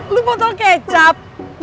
lo botol kecap